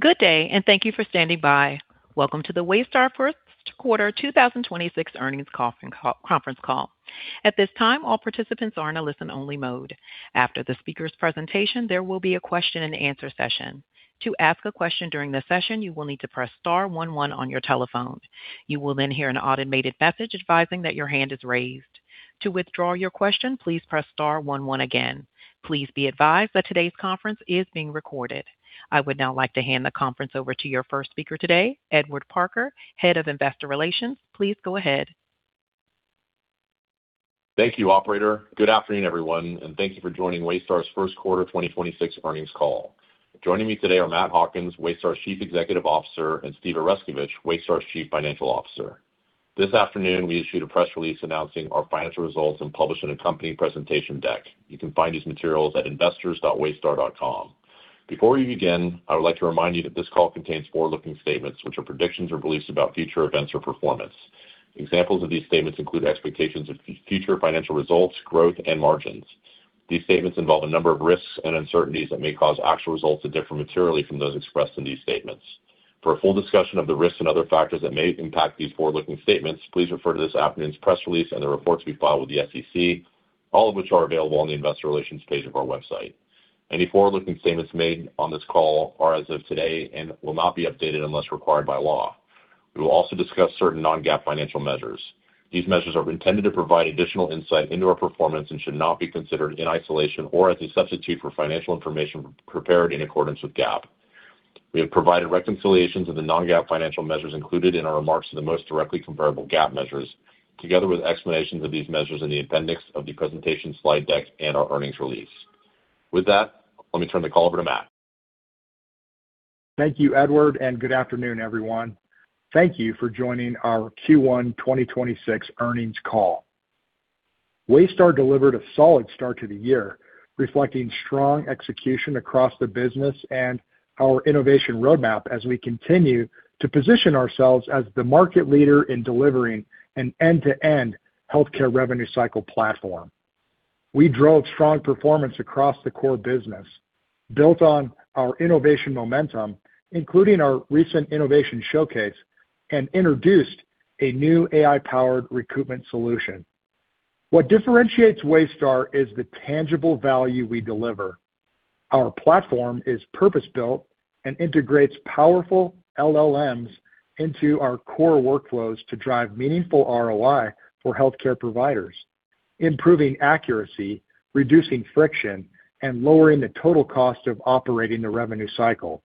Good day, and thank you for standing by. Welcome to the Waystar first quarter 2026 earnings call, conference call. At this time, all participants are in a listen-only mode. After the speaker's presentation, there will be a question-and-answer session. Please be advised that today's conference is being recorded. I would now like to hand the conference over to your first speaker today, Edward Parker, Head of Investor Relations. Please go ahead. Thank you, operator. Good afternoon, everyone, and thank you for joining Waystar's first quarter 2026 earnings call. Joining me today are Matt Hawkins, Waystar's Chief Executive Officer, and Steve Oreskovich, Waystar's Chief Financial Officer. This afternoon, we issued a press release announcing our financial results and publishing a company presentation deck. You can find these materials at investors.Waystar.com. Before we begin, I would like to remind you that this call contains forward-looking statements, which are predictions or beliefs about future events or performance. Examples of these statements include expectations of future financial results, growth, and margins. These statements involve a number of risks and uncertainties that may cause actual results to differ materially from those expressed in these statements. For a full discussion of the risks and other factors that may impact these forward-looking statements, please refer to this afternoon's press release and the reports we file with the SEC, all of which are available on the investor relations page of our website. Any forward-looking statements made on this call are as of today and will not be updated unless required by law. We will also discuss certain non-GAAP financial measures. These measures are intended to provide additional insight into our performance and should not be considered in isolation or as a substitute for financial information prepared in accordance with GAAP. We have provided reconciliations of the non-GAAP financial measures included in our remarks to the most directly comparable GAAP measures, together with explanations of these measures in the appendix of the presentation Slide deck and our earnings release. With that, let me turn the call over to Matt. Thank you, Edward. Good afternoon, everyone. Thank you for joining our Q1 2026 earnings call. Waystar delivered a solid start to the year, reflecting strong execution across the business and our innovation roadmap as we continue to position ourselves as the market leader in delivering an end-to-end healthcare revenue cycle platform. We drove strong performance across the core business, built on our innovation momentum, including our recent innovation showcase, and introduced a new AI-powered recoupment solution. What differentiates Waystar is the tangible value we deliver. Our platform is purpose-built and integrates powerful LLMs into our core workflows to drive meaningful ROI for healthcare providers, improving accuracy, reducing friction, and lowering the total cost of operating the revenue cycle.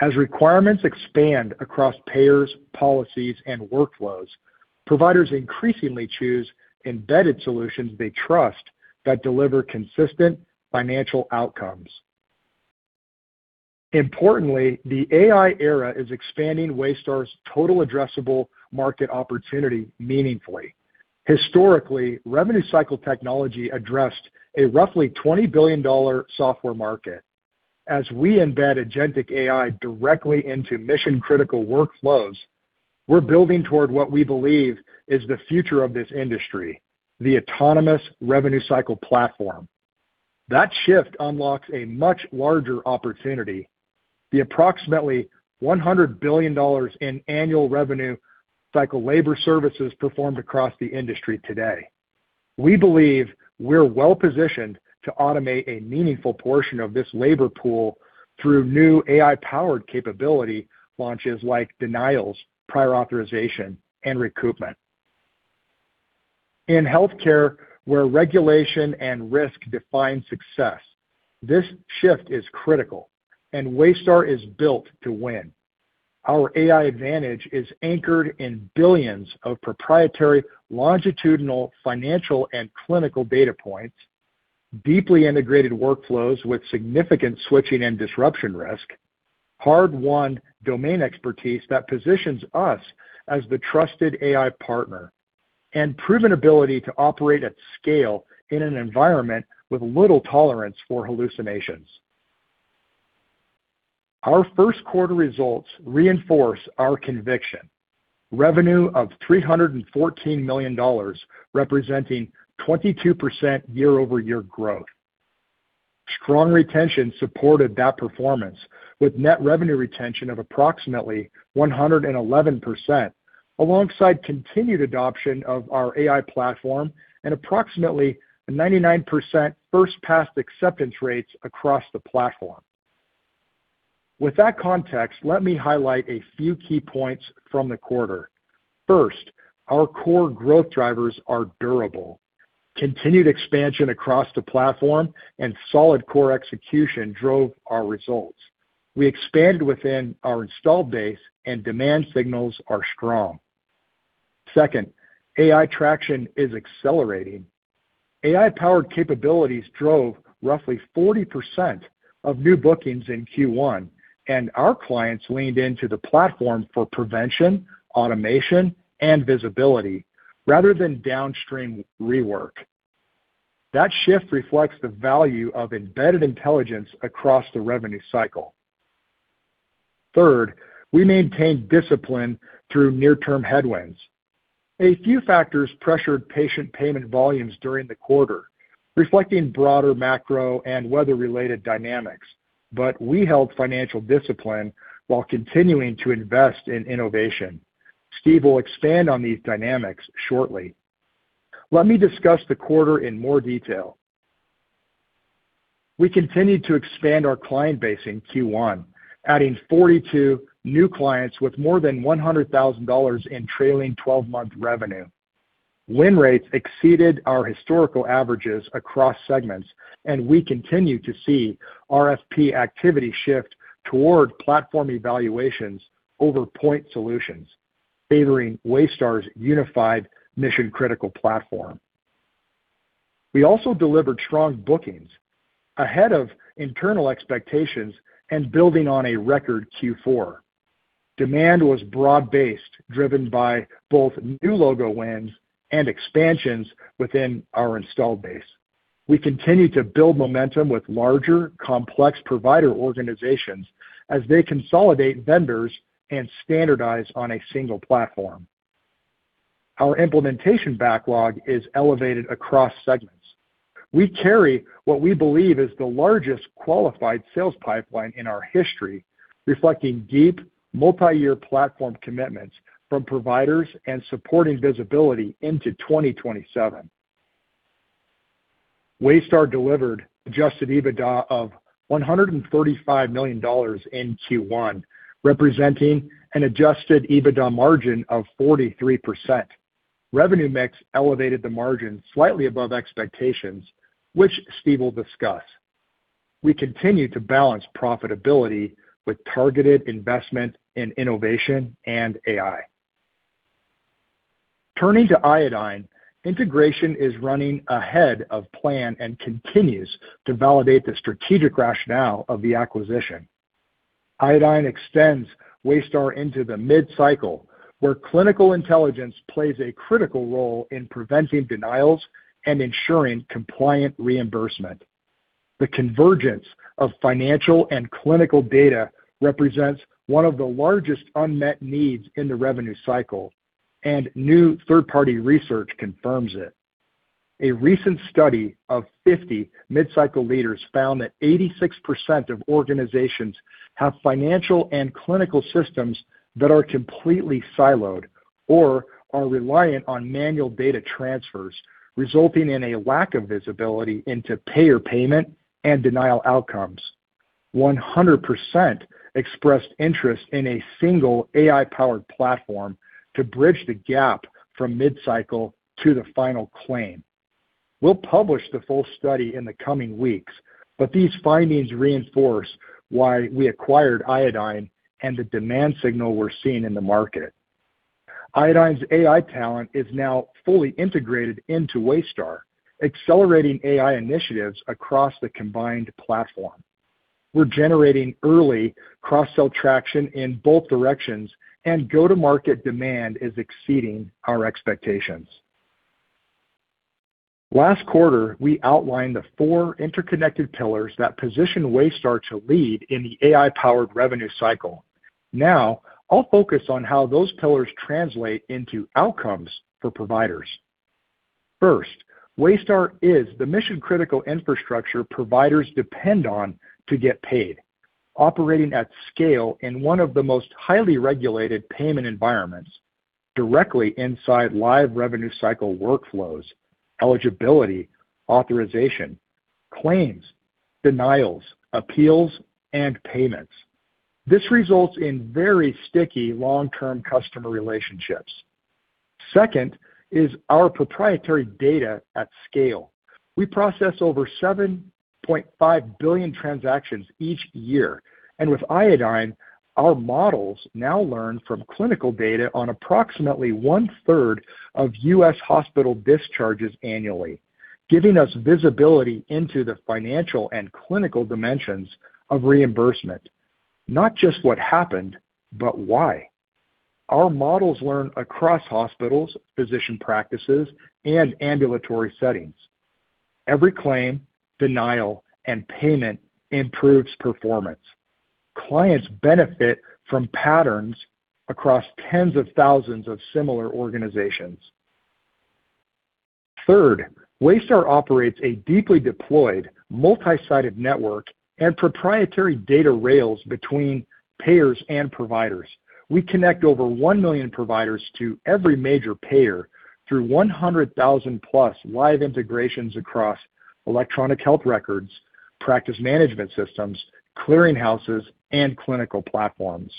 As requirements expand across payers, policies, and workflows, providers increasingly choose embedded solutions they trust that deliver consistent financial outcomes. Importantly, the AI era is expanding Waystar's total addressable market opportunity meaningfully. Historically, revenue cycle technology addressed a roughly $20 billion software market. As we embed agentic AI directly into mission-critical workflows, we're building toward what we believe is the future of this industry, the autonomous revenue cycle platform. That shift unlocks a much larger opportunity, the approximately $100 billion in annual revenue cycle labor services performed across the industry today. We believe we're well-positioned to automate a meaningful portion of this labor pool through new AI-powered capability launches like denials, prior authorization, and recoupment. In healthcare, where regulation and risk define success, this shift is critical, and Waystar is built to win. Our AI advantage is anchored in billions of proprietary longitudinal financial and clinical data points, deeply integrated workflows with significant switching and disruption risk, hard-won domain expertise that positions us as the trusted AI partner, and proven ability to operate at scale in an environment with little tolerance for hallucinations. Our first quarter results reinforce our conviction. Revenue of $314 million, representing 22% year-over-year growth. Strong retention supported that performance with net revenue retention of approximately 111% alongside continued adoption of our AI platform and approximately 99% first-pass acceptance rates across the platform. With that context, let me highlight a few key points from the quarter. First, our core growth drivers are durable. Continued expansion across the platform and solid core execution drove our results. We expanded within our installed base and demand signals are strong. Second, AI traction is accelerating. AI-powered capabilities drove roughly 40% of new bookings in Q1, and our clients leaned into the platform for prevention, automation, and visibility rather than downstream rework. That shift reflects the value of embedded intelligence across the revenue cycle. Third, we maintain discipline through near-term headwinds. A few factors pressured patient payment volumes during the quarter, reflecting broader macro and weather-related dynamics. We held financial discipline while continuing to invest in innovation. Steve will expand on these dynamics shortly. Let me discuss the quarter in more detail. We continued to expand our client base in Q1, adding 42 new clients with more than $100,000 in trailing twelve-month revenue. Win rates exceeded our historical averages across segments, and we continue to see RFP activity shift toward platform evaluations over point solutions, favoring Waystar's unified mission-critical platform. We also delivered strong bookings ahead of internal expectations and building on a record Q4. Demand was broad-based, driven by both new logo wins and expansions within our installed base. We continue to build momentum with larger, complex provider organizations as they consolidate vendors and standardize on a single platform. Our implementation backlog is elevated across segments. We carry what we believe is the largest qualified sales pipeline in our history, reflecting deep multi-year platform commitments from providers and supporting visibility into 2027. Waystar delivered adjusted EBITDA of $135 million in Q1, representing an adjusted EBITDA margin of 43%. Revenue mix elevated the margin slightly above expectations, which Steve will discuss. We continue to balance profitability with targeted investment in innovation and AI. Turning to Iodine, integration is running ahead of plan and continues to validate the strategic rationale of the acquisition. Iodine extends Waystar into the mid-cycle, where clinical intelligence plays a critical role in preventing denials and ensuring compliant reimbursement. The convergence of financial and clinical data represents one of the largest unmet needs in the revenue cycle, and new third-party research confirms it. A recent study of 50 mid-cycle leaders found that 86% of organizations have financial and clinical systems that are completely siloed or are reliant on manual data transfers, resulting in a lack of visibility into payer payment and denial outcomes. 100% expressed interest in a single AI-powered platform to bridge the gap from mid-cycle to the final claim. We'll publish the full study in the coming weeks, but these findings reinforce why we acquired Iodine and the demand signal we're seeing in the market. Iodine's AI talent is now fully integrated into Waystar, accelerating AI initiatives across the combined platform. We're generating early cross-sell traction in both directions, and go-to-market demand is exceeding our expectations. Last quarter, we outlined the four interconnected pillars that position Waystar to lead in the AI-powered revenue cycle. Now, I'll focus on how those pillars translate into outcomes for providers. First, Waystar is the mission-critical infrastructure providers depend on to get paid, operating at scale in one of the most highly regulated payment environments directly inside live revenue cycle workflows, eligibility, authorization, claims, denials, appeals, and payments. This results in very sticky long-term customer relationships. Second is our proprietary data at scale. We process over 7.5 billion transactions each year, and with Iodine, our models now learn from clinical data on approximately one-third of U.S. hospital discharges annually, giving us visibility into the financial and clinical dimensions of reimbursement. Not just what happened, but why. Our models learn across hospitals, physician practices, and ambulatory settings. Every claim, denial, and payment improves performance. Clients benefit from patterns across tens of thousands of similar organizations. Third, Waystar operates a deeply deployed multi-sided network and proprietary data rails between payers and providers. We connect over one million providers to every major payer through 100,000-plus live integrations across electronic health records, practice management systems, clearinghouses, and clinical platforms.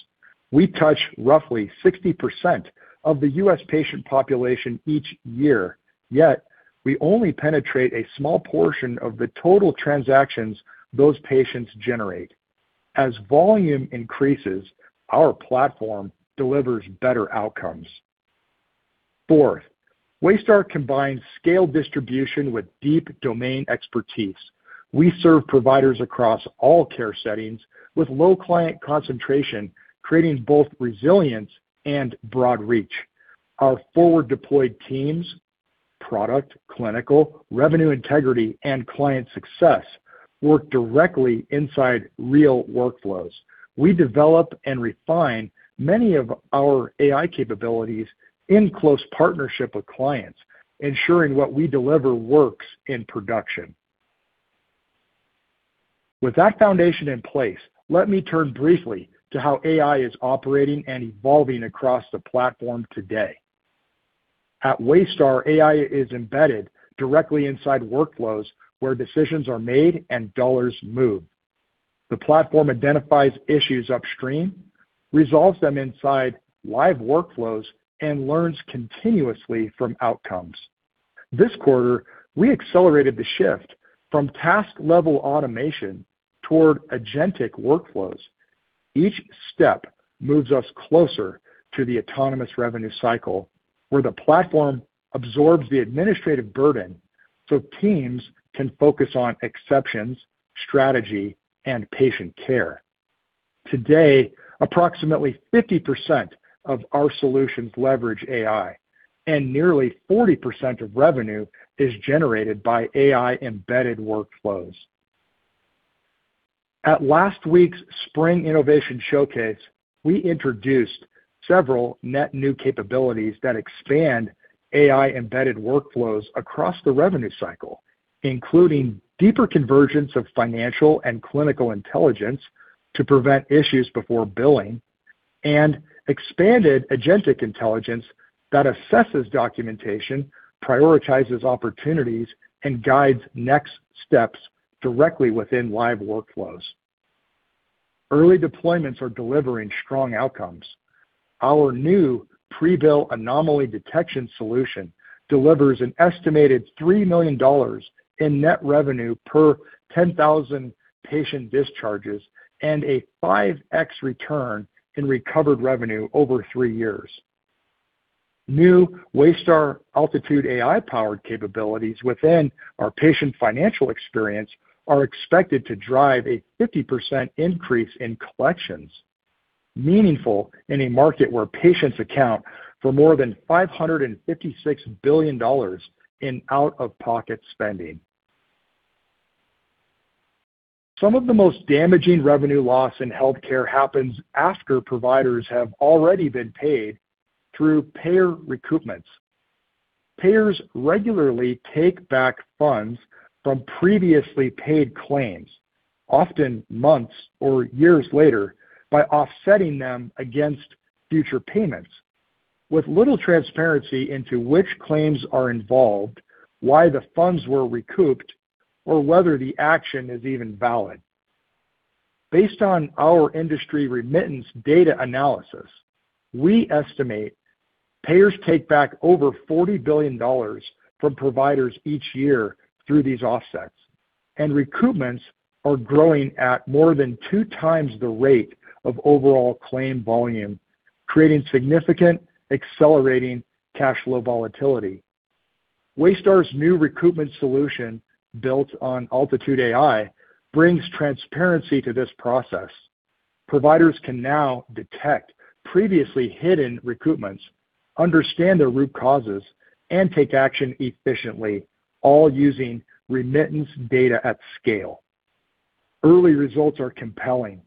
We touch roughly 60% of the U.S. patient population each year, yet we only penetrate a small portion of the total transactions those patients generate. As volume increases, our platform delivers better outcomes. Fourth, Waystar combines scale distribution with deep domain expertise. We serve providers across all care settings with low client concentration, creating both resilience and broad reach. Our forward-deployed teams, Product, clinical, revenue integrity, and client success work directly inside real workflows. We develop and refine many of our AI capabilities in close partnership with clients, ensuring what we deliver works in production. With that foundation in place, let me turn briefly to how AI is operating and evolving across the platform today. At Waystar, AI is embedded directly inside workflows where decisions are made and dollars move. The platform identifies issues upstream, resolves them inside live workflows, and learns continuously from outcomes. This quarter, we accelerated the shift from task-level automation toward agentic workflows. Each step moves us closer to the autonomous revenue cycle, where the platform absorbs the administrative burden so teams can focus on exceptions, strategy, and patient care. Today, approximately 50% of our solutions leverage AI, and nearly 40% of revenue is generated by AI-embedded workflows. At last week's Spring Innovation Showcase, we introduced several net new capabilities that expand AI-embedded workflows across the revenue cycle, including deeper convergence of financial and clinical intelligence to prevent issues before billing and expanded agentic intelligence that assesses documentation, prioritizes opportunities, and guides next steps directly within live workflows. Early deployments are delivering strong outcomes. Our new Prebill Anomaly Detection solution delivers an estimated $3 million in net revenue per 10,000 patient discharges and a 5x return in recovered revenue over three years. New Waystar Altitude AI-powered capabilities within our patient financial experience are expected to drive a 50% increase in collections, meaningful in a market where patients account for more than $556 billion in out-of-pocket spending. Some of the most damaging revenue loss in healthcare happens after providers have already been paid through payer recoupments. Payers regularly take back funds from previously paid claims, often months or years later, by offsetting them against future payments with little transparency into which claims are involved, why the funds were recouped, or whether the action is even valid. Based on our industry remittance data analysis, we estimate payers take back over $40 billion from providers each year through these offsets, and recoupments are growing at more than two times the rate of overall claim volume, creating significant accelerating cash flow volatility. Waystar's new recoupment solution, built on Altitude AI, brings transparency to this process. Providers can now detect previously hidden recoupments, understand their root causes, and take action efficiently, all using remittance data at scale. Early results are compelling.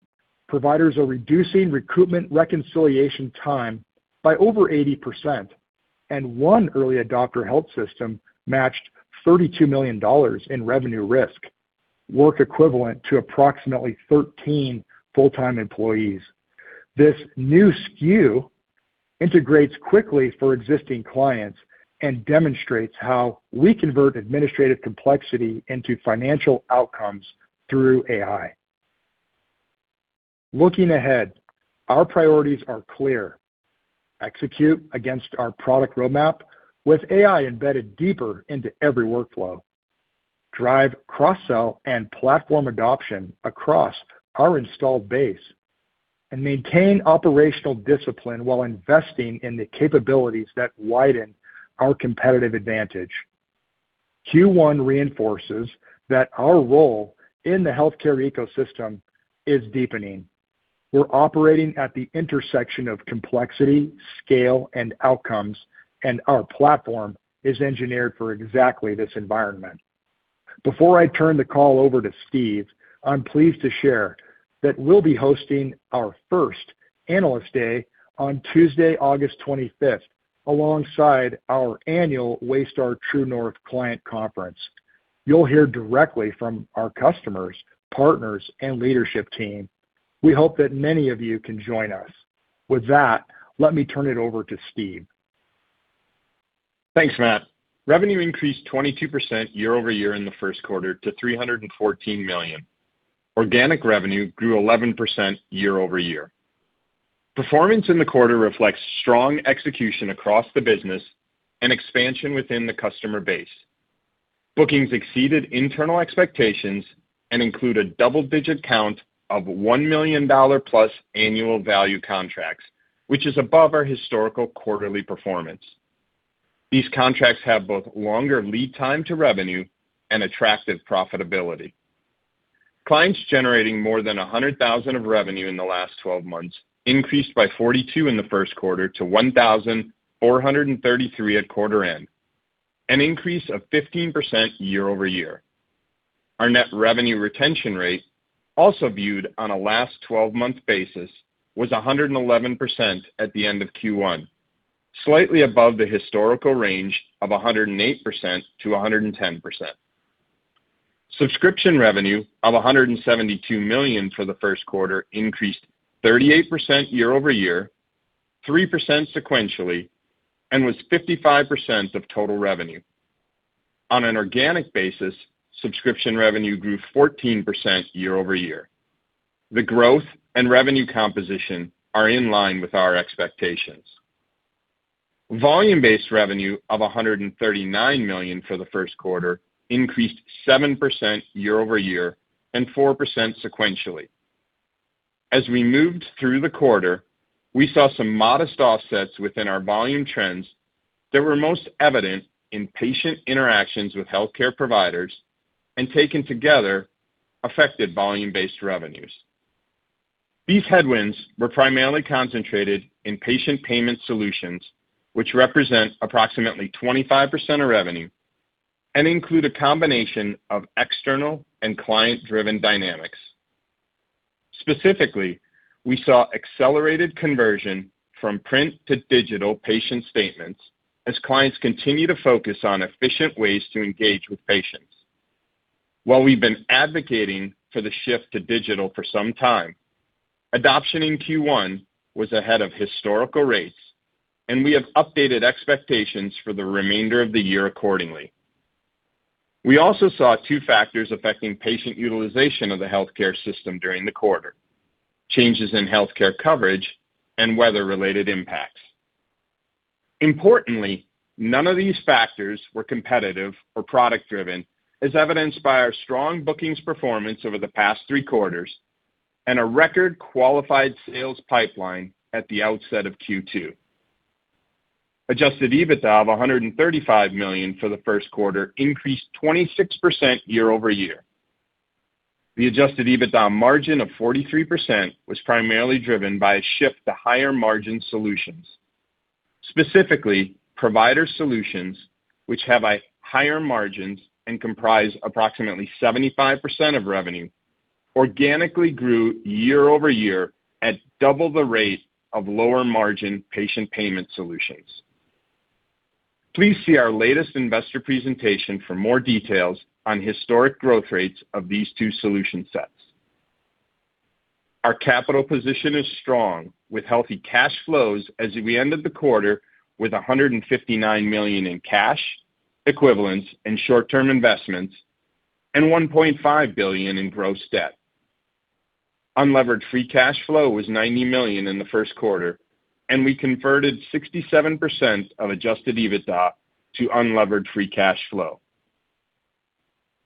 Providers are reducing recoupment reconciliation time by over 80%, and one early adopter health system matched $32 million in revenue risk, work equivalent to approximately 13 full-time employees. This new SKU integrates quickly for existing clients and demonstrates how we convert administrative complexity into financial outcomes through AI. Looking ahead, our priorities are clear. Execute against our product roadmap with AI embedded deeper into every workflow. Drive cross-sell and platform adoption across our installed base, and maintain operational discipline while investing in the capabilities that widen our competitive advantage. Q1 reinforces that our role in the healthcare ecosystem is deepening. We're operating at the intersection of complexity, scale, and outcomes, and our platform is engineered for exactly this environment. Before I turn the call over to Steve, I'm pleased to share that we'll be hosting our first Analyst Day on Tuesday, August 25th, alongside our annual Waystar True North client conference. You'll hear directly from our customers, partners, and leadership team. We hope that many of you can join us. With that, let me turn it over to Steve. Thanks, Matt. Revenue increased 22% year-over-year in the first quarter to $314 million. Organic revenue grew 11% year-over-year. Performance in the quarter reflects strong execution across the business and expansion within the customer base. Bookings exceeded internal expectations and include a double-digit count of $1 million-plus annual value contracts, which is above our historical quarterly performance. These contracts have both longer lead time to revenue and attractive profitability. Clients generating more than $100,000 of revenue in the last 12 months increased by 42 in the first quarter to 1,433 at quarter end, an increase of 15% year-over-year. Our net revenue retention rate, also viewed on a last twelve-month basis, was 111% at the end of Q1, slightly above the historical range of 108%-110%. Subscription revenue of $172 million for the first quarter increased 38% year-over-year, 3% sequentially, was 55% of total revenue. On an organic basis, subscription revenue grew 14% year-over-year. The growth and revenue composition are in line with our expectations. Volume-based revenue of $139 million for the first quarter increased 7% year-over-year, 4% sequentially. As we moved through the quarter, we saw some modest offsets within our volume trends that were most evident in patient interactions with healthcare providers and taken together affected volume-based revenues. These headwinds were primarily concentrated in patient payment solutions, which represent approximately 25% of revenue and include a combination of external and client-driven dynamics. Specifically, we saw accelerated conversion from print to digital patient statements as clients continue to focus on efficient ways to engage with patients. While we've been advocating for the shift to digital for some time, adoption in Q1 was ahead of historical rates, and we have updated expectations for the remainder of the year accordingly. We also saw two factors affecting patient utilization of the healthcare system during the quarter: changes in healthcare coverage and weather-related impacts. Importantly, none of these factors were competitive or product-driven, as evidenced by our strong bookings performance over the past three quarters and a record qualified sales pipeline at the outset of Q2. Adjusted EBITDA of $135 million for the first quarter increased 26% year-over-year. The adjusted EBITDA margin of 43% was primarily driven by a shift to higher margin solutions. Specifically, provider solutions, which have a higher margins and comprise approximately 75% of revenue, organically grew year-over-year at double the rate of lower margin patient payment solutions. Please see our latest investor presentation for more details on historic growth rates of these two solution sets. Our capital position is strong with healthy cash flows as we ended the quarter with $159 million in cash equivalents and short-term investments and $1.5 billion in gross debt. Unlevered free cash flow was $90 million in the first quarter, and we converted 67% of adjusted EBITDA to unlevered free cash flow.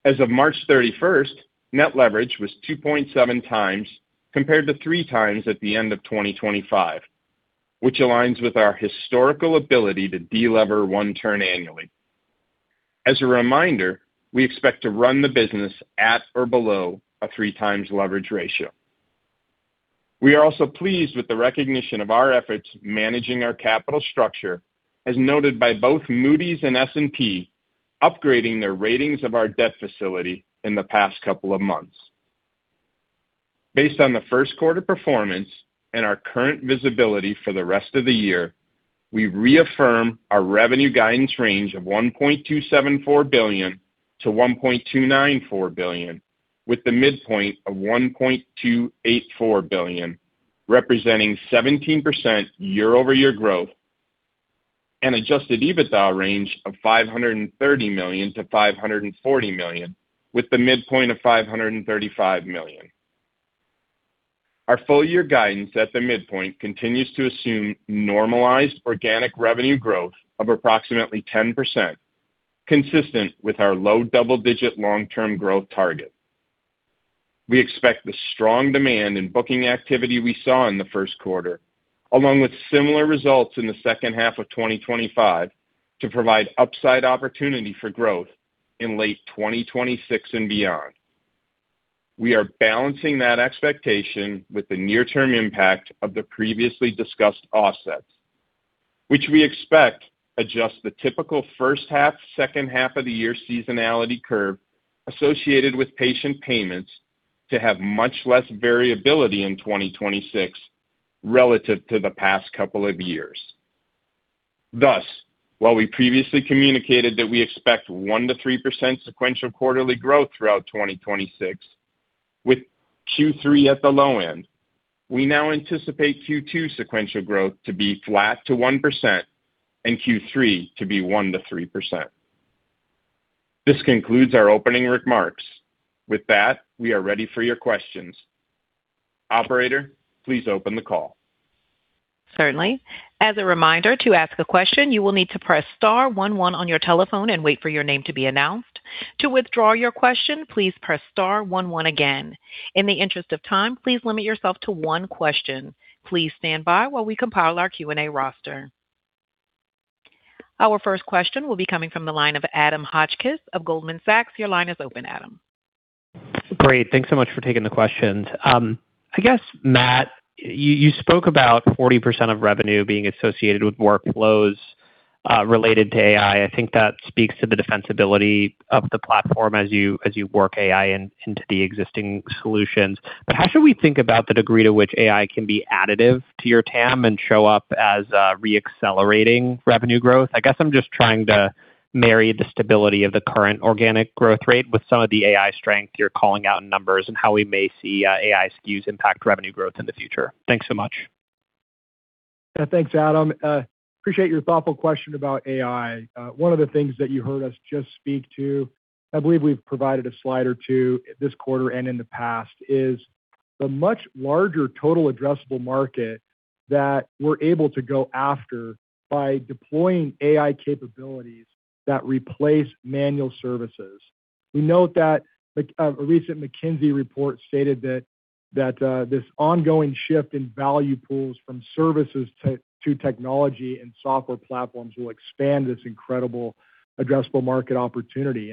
As of March 31st, net leverage was 2.7 times, compared to three times at the end of 2025, which aligns with our historical ability to de-lever one turn annually. As a reminder, we expect to run the business at or below a three times leverage ratio. We are also pleased with the recognition of our efforts managing our capital structure, as noted by both Moody's and S&P upgrading their ratings of our debt facility in the past couple of months. Based on the first quarter performance and our current visibility for the rest of the year, we reaffirm our revenue guidance range of $1.274 billion-$1.294 billion, with the midpoint of $1.284 billion, representing 17% year-over-year growth and adjusted EBITDA range of $530 million-$540 million, with the midpoint of $535 million. Our full year guidance at the midpoint continues to assume normalized organic revenue growth of approximately 10%, consistent with our low double-digit long-term growth target. We expect the strong demand in booking activity we saw in the first quarter, along with similar results in the second half of 2025, to provide upside opportunity for growth in late 2026 and beyond. We are balancing that expectation with the near-term impact of the previously discussed offsets, which we expect adjust the typical first half, second half of the year seasonality curve associated with patient payments to have much less variability in 2026 relative to the past couple of years. While we previously communicated that we expect 1%-3% sequential quarterly growth throughout 2026, with Q3 at the low end, we now anticipate Q2 sequential growth to be flat to 1% and Q3 to be 1%-3%. This concludes our opening remarks. We are ready for your questions. Operator, please open the call. Certainly. As a reminder, to ask a question, you will need to press star-one-one on your telephone and wait for your name to be announced. To withdraw your question, please press star-one-one again. In the interest of time, please limit yourself to one question. Please stand by while we compile our Q&A roster. Our first question will be coming from the line of Adam Hotchkiss of Goldman Sachs. Your line is open, Adam. Great. Thanks so much for taking the questions. I guess, Matt, you spoke about 40% of revenue being associated with workflows related to AI. I think that speaks to the defensibility of the platform as you work AI into the existing solutions. How should we think about the degree to which AI can be additive to your TAM and show up as re-accelerating revenue growth? I guess I'm just trying to marry the stability of the current organic growth rate with some of the AI strength you're calling out in numbers and how we may see AI SKUs impact revenue growth in the future. Thanks so much. Thanks, Adam. Appreciate your thoughtful question about AI. One of the things that you heard us just speak to, I believe we've provided a Slide or two this quarter and in the past, is the much larger total addressable market that we're able to go after by deploying AI capabilities that replace manual services. We note that, like, a recent McKinsey report stated that, this ongoing shift in value pools from services to technology and software platforms will expand this incredible addressable market opportunity.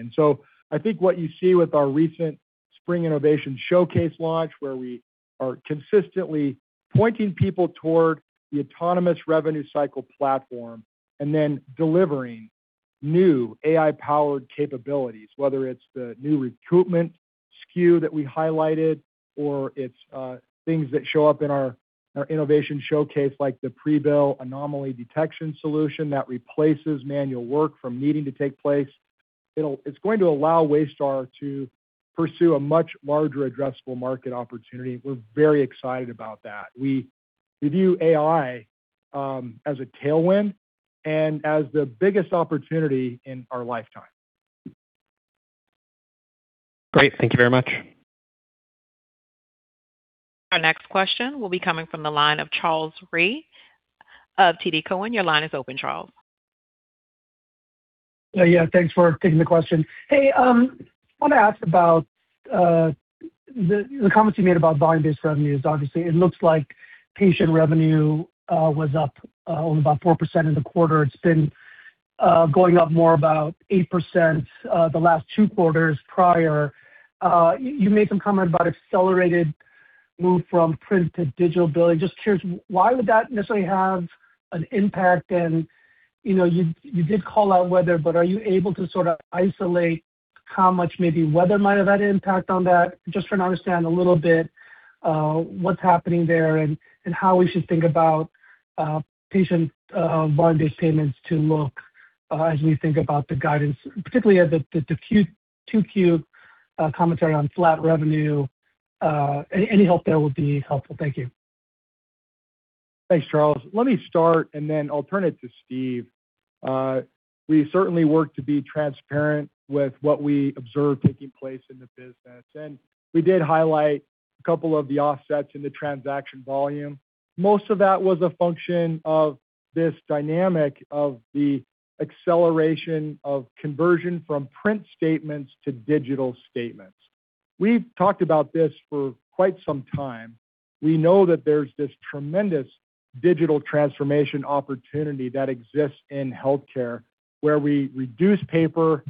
I think what you see with our recent Spring Innovation Showcase launch, where we are consistently pointing people toward the autonomous revenue cycle platform and then delivering new AI-powered capabilities, whether it's the new recoupment SKU that we highlighted or it's things that show up in our Innovation Showcase, like the Prebill Anomaly Detection solution that replaces manual work from needing to take place. It's going to allow Waystar to pursue a much larger addressable market opportunity. We're very excited about that. We view AI as a tailwind and as the biggest opportunity in our lifetime. Great. Thank you very much. Our next question will be coming from the line of Charles Rhyee of TD Cowen. Your line is open, Charles. Yeah. Thanks for taking the question. Hey, I want to ask about the comments you made about volume-based revenues. Obviously, it looks like patient revenue was up only about 4% in the quarter. It's been going up more about 8% the last two quarters prior. You made some comment about accelerated move from print to digital billing. Just curious, why would that necessarily have an impact? You know, you did call out weather, but are you able to sort of isolate how much maybe weather might have had an impact on that? Just trying to understand a little bit what's happening there and how we should think about patient volume-based payments to look as we think about the guidance, particularly at the Q2 commentary on flat revenue. Any help there would be helpful. Thank you. Thanks, Charles. Let me start, and then I'll turn it to Steve. We certainly work to be transparent with what we observe taking place in the business, and we did highlight a couple of the offsets in the transaction volume. Most of that was a function of this dynamic of the acceleration of conversion from print statements to digital statements. We've talked about this for quite some time. We know that there's this tremendous digital transformation opportunity that exists in healthcare, where we reduce paper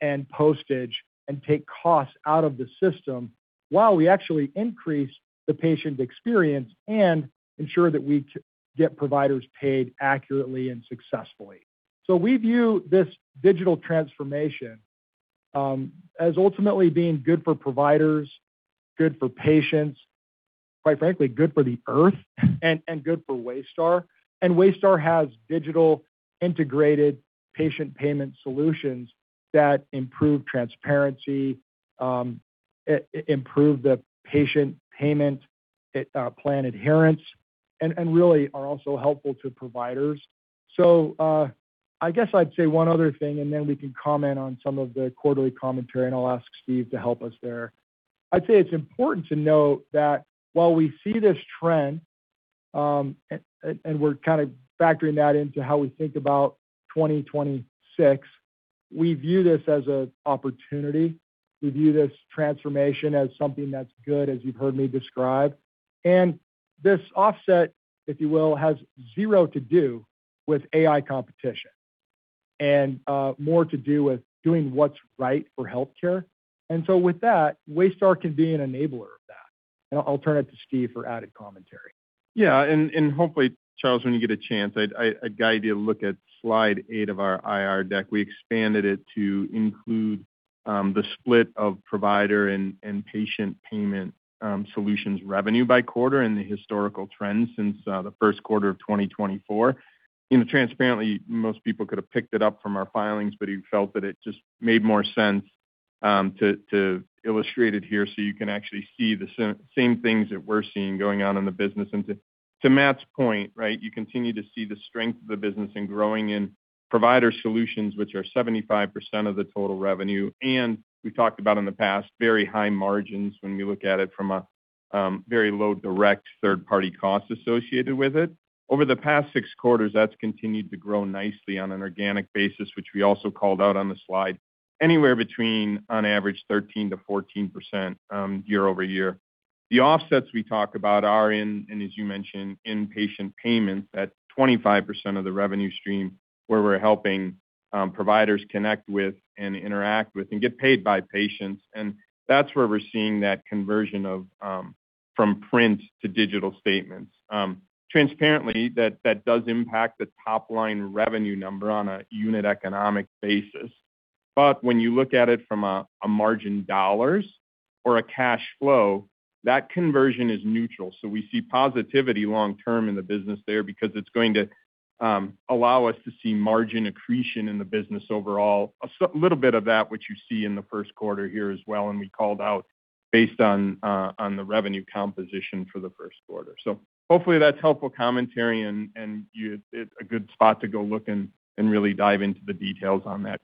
and postage and take costs out of the system while we actually increase the patient experience and ensure that we get providers paid accurately and successfully. We view this digital transformation as ultimately being good for providers, good for patients, quite frankly, good for the Earth, and good for Waystar. Waystar has digital integrated patient payment solutions that improve transparency, improve the patient payment, plan adherence, and really are also helpful to providers. I guess I'd say one other thing, and then we can comment on some of the quarterly commentary, and I'll ask Steve to help us there. I'd say it's important to note that while we see this trend, and we're kind of factoring that into how we think about 2026, we view this as an opportunity. We view this transformation as something that's good, as you've heard me describe. This offset, if you will, has zero to do with AI competition and more to do with doing what's right for healthcare. With that, Waystar can be an enabler of that. I'll turn it to Steve for added commentary. Yeah. Hopefully, Charles, when you get a chance, I'd guide you to look at Slide eight of our IR deck. We expanded it to include the split of provider and patient payment solutions revenue by quarter and the historical trends since the first quarter of 2024. You know, transparently, most people could have picked it up from our filings, but we felt that it just made more sense to illustrate it here so you can actually see the same things that we're seeing going on in the business. To Matt's point, right, you continue to see the strength of the business in growing in provider solutions, which are 75% of the total revenue. We talked about in the past, very high margins when we look at it from a very low direct third-party cost associated with it. Over the past six quarters, that's continued to grow nicely on an organic basis, which we also called out on the Slide, anywhere between on average 13%-14% year-over-year. The offsets we talk about are in, and as you mentioned, in-patient payments at 25% of the revenue stream where we're helping providers connect with and interact with, and get paid by patients. That's where we're seeing that conversion of from print to digital statements. Transparently, that does impact the top line revenue number on a unit economic basis. When you look at it from a margin dollars or a cash flow, that conversion is neutral. We see positivity long term in the business there because it's going to allow us to see margin accretion in the business overall. A little bit of that which you see in the first quarter here as well, and we called out based on the revenue composition for the first quarter. Hopefully that's helpful commentary and a good spot to go look and really dive into the details on that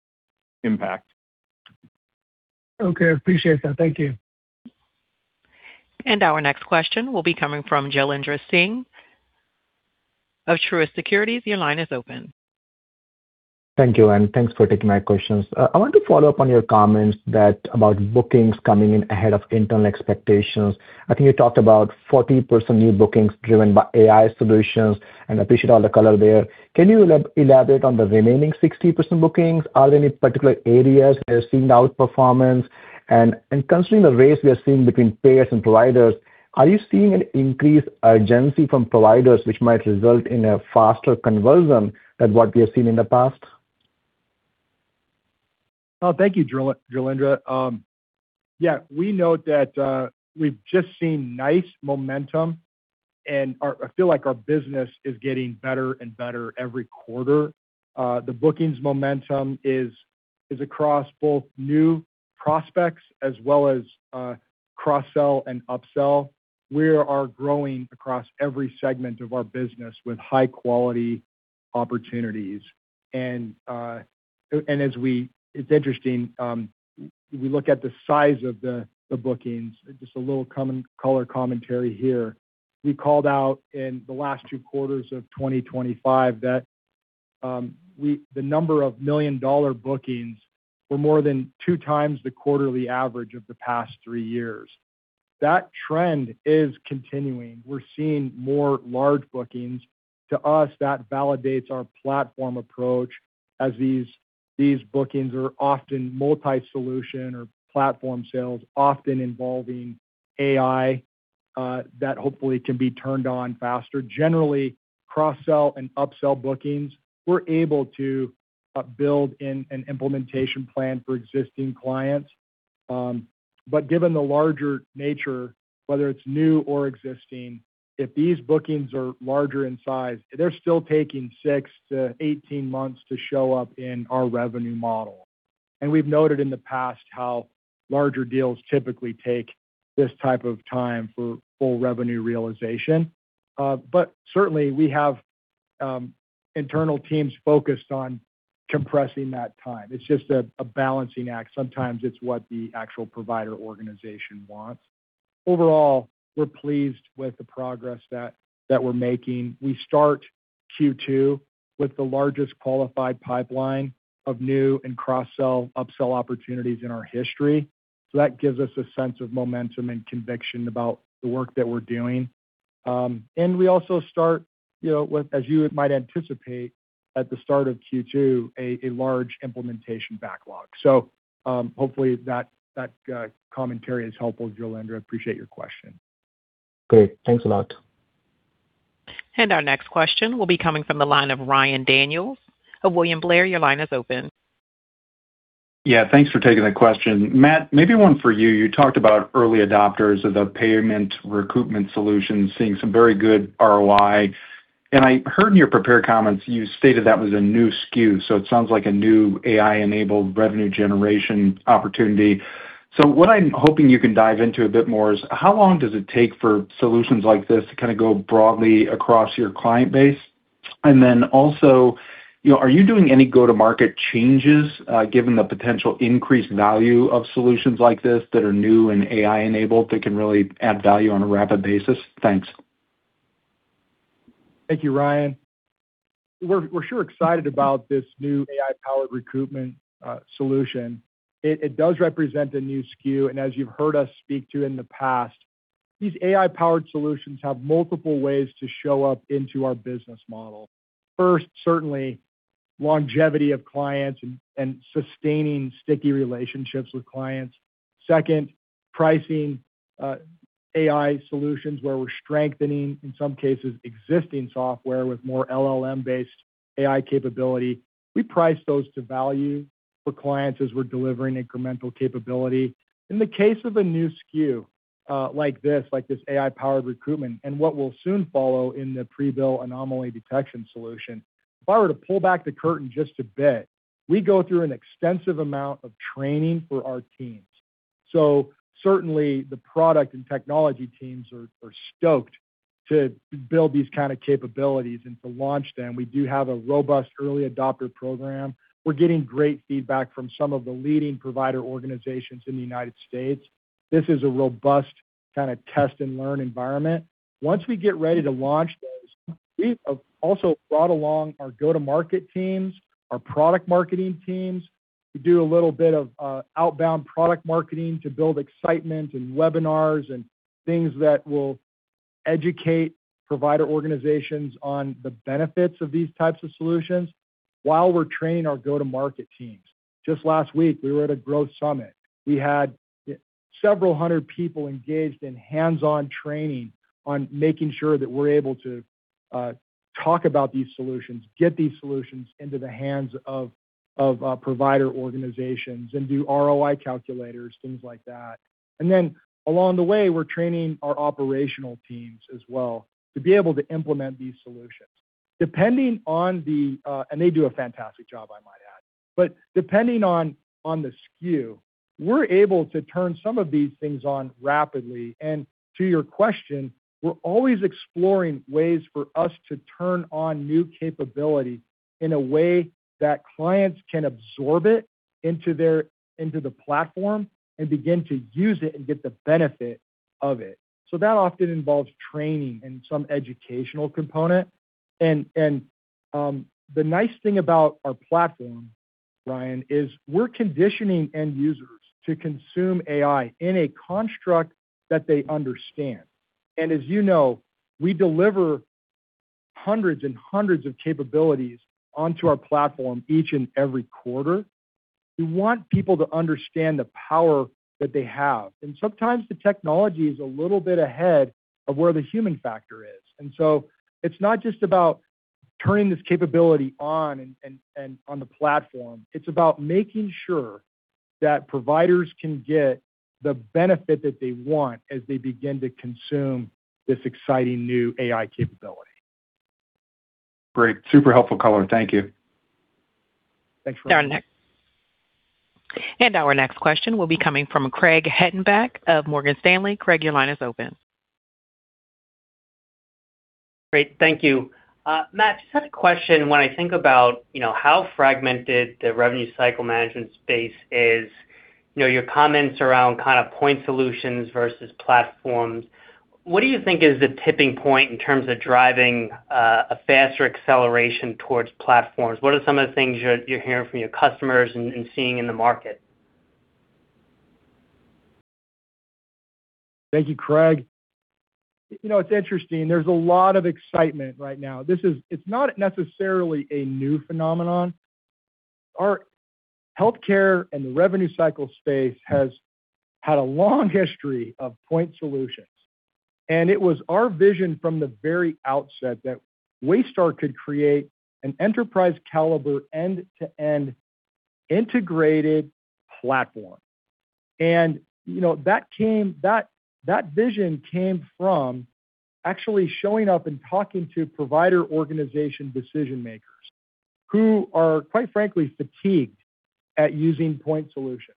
impact. Okay. Appreciate that. Thank you. Our next question will be coming from Jailendra Singh of Truist Securities. Your line is open. Thank you. Thanks for taking my questions. I want to follow up on your comments that about bookings coming in ahead of internal expectations. I think you talked about 40% new bookings driven by AI solutions, and appreciate all the color there. Can you elaborate on the remaining 60% bookings? Are there any particular areas that are seeing outperformance? Considering the race we are seeing between payers and providers, are you seeing an increased urgency from providers which might result in a faster conversion than what we have seen in the past? Oh, thank you, Jailendra. Yeah, we note that we've just seen nice momentum and I feel like our business is getting better and better every quarter. The bookings momentum is across both new prospects as well as cross-sell and upsell. We are growing across every segment of our business with high quality opportunities. As we, it's interesting, we look at the size of the bookings, just a little color commentary here. We called out in the last two quarters of 2025 that the number of million-dollar bookings were more than two times the quarterly average of the past three years. That trend is continuing. We're seeing more large bookings. To us, that validates our platform approach as these bookings are often multi-solution or platform sales, often involving AI, that hopefully can be turned on faster. Generally, cross-sell and upsell bookings, we're able to build in an implementation plan for existing clients. Given the larger nature, whether it's new or existing, if these bookings are larger in size, they're still taking six-18 months to show up in our revenue model. We've noted in the past how larger deals typically take this type of time for full revenue realization. Certainly we have internal teams focused on compressing that time. It's just a balancing act. Sometimes it's what the actual provider organization wants. Overall, we're pleased with the progress that we're making. We start Q2 with the largest qualified pipeline of new and cross-sell, upsell opportunities in our history. That gives us a sense of momentum and conviction about the work that we're doing. We also start, you know, with, as you might anticipate, at the start of Q2, a large implementation backlog. Hopefully that commentary is helpful, Jailendra. Appreciate your question. Great. Thanks a lot. Our next question will be coming from the line of Ryan Daniels of William Blair. Your line is open. Yeah. Thanks for taking the question. Matt, maybe one for you. You talked about early adopters of the payment recoupment solution seeing some very good ROI. I heard in your prepared comments you stated that was a new SKU, so it sounds like a new AI-enabled revenue generation opportunity. What I'm hoping you can dive into a bit more is, how long does it take for solutions like this to kinda go broadly across your client base? Also, you know, are you doing any go-to-market changes, given the potential increased value of solutions like this that are new and AI-enabled that can really add value on a rapid basis? Thanks. Thank you, Ryan. We're sure excited about this new AI-powered recoupment solution. It does represent a new SKU. As you've heard us speak to in the past, these AI-powered solutions have multiple ways to show up into our business model. First, certainly, longevity of clients and sustaining sticky relationships with clients. Second, pricing, AI solutions where we're strengthening, in some cases, existing software with more LLM-based AI capability. We price those to value for clients as we're delivering incremental capability. In the case of a new SKU, like this AI-powered recoupment, and what will soon follow in the Prebill Anomaly Detection solution, if I were to pull back the curtain just a bit, we go through an extensive amount of training for our teams. Certainly the product and technology teams are stoked to build these kind of capabilities and to launch them. We do have a robust early adopter program. We're getting great feedback from some of the leading provider organizations in the United States. This is a robust kind of test and learn environment. Once we get ready to launch, we have also brought along our go-to-market teams, our product marketing teams to do a little bit of outbound product marketing to build excitement and webinars and things that will educate provider organizations on the benefits of these types of solutions while we're training our go-to-market teams. Just last week, we were at a growth summit. We had several hundred people engaged in hands-on training on making sure that we're able to talk about these solutions, get these solutions into the hands of provider organizations and do ROI calculators, things like that. Along the way, we're training our operational teams as well to be able to implement these solutions. They do a fantastic job, I might add. Depending on the SKU, we're able to turn some of these things on rapidly. To your question, we're always exploring ways for us to turn on new capability in a way that clients can absorb it into the platform and begin to use it and get the benefit of it. That often involves training and some educational component. The nice thing about our platform, Ryan, is we're conditioning end users to consume AI in a construct that they understand. As you know, we deliver hundreds and hundreds of capabilities onto our platform each and every quarter. We want people to understand the power that they have. Sometimes the technology is a little bit ahead of where the human factor is. It's not just about turning this capability on and on the platform, it's about making sure that providers can get the benefit that they want as they begin to consume this exciting new AI capability. Great. Super helpful color. Thank you. Thanks for- Our next question will be coming from Craig Hettenbach of Morgan Stanley. Craig, your line is open. Great. Thank you. Matt, just had a question. When I think about, you know, how fragmented the revenue cycle management space is, you know, your comments around kind of point solutions versus platforms, what do you think is the tipping point in terms of driving a faster acceleration towards platforms? What are some of the things you're hearing from your customers and seeing in the market? Thank you, Craig. You know, it's interesting. There's a lot of excitement right now. It's not necessarily a new phenomenon. Our healthcare and the revenue cycle space has had a long history of point solutions, and it was our vision from the very outset that Waystar could create an enterprise caliber end-to-end integrated platform. You know, that came, that vision came from actually showing up and talking to provider organization decision-makers who are, quite frankly, fatigued at using point solutions.